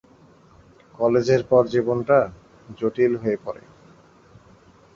কলেজের পর জীবনটা জটিল হয়ে পড়ে।